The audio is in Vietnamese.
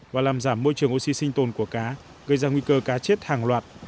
và làm giảm môi trường oxy sinh tồn của cá gây ra nguy cơ cá chết hàng loạt